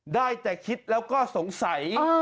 ได้แต่คิดแล้วก็สงสัย